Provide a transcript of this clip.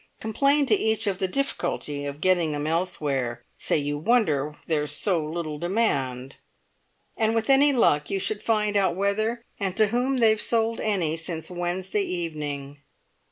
Complain to each of the difficulty of getting 'em elsewhere—say you wonder there's so little demand—and with any luck you should find out whether and to whom they've sold any since Wednesday evening."